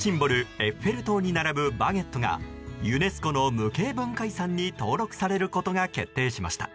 エッフェル塔に並ぶバゲットがユネスコの無形文化遺産に登録されることが決定しました。